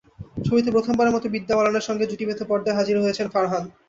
ছবিতে প্রথমবারের মতো বিদ্যা বালানের সঙ্গে জুটি বেঁধে পর্দায় হাজির হয়েছেন ফারহান।